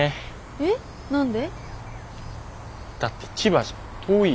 えっ何で？